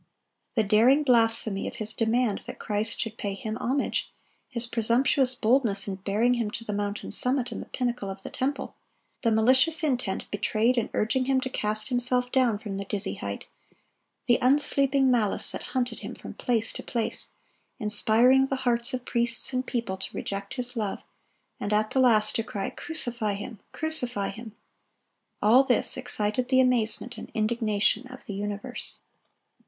The daring blasphemy of his demand that Christ should pay him homage, his presumptuous boldness in bearing Him to the mountain summit and the pinnacle of the temple, the malicious intent betrayed in urging Him to cast Himself down from the dizzy height, the unsleeping malice that hunted Him from place to place, inspiring the hearts of priests and people to reject His love, and at the last to cry, "Crucify Him! crucify Him!"—all this excited the amazement and indignation of the universe.